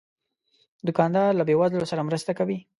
دوکاندار له بې وزلو سره مرسته کوي.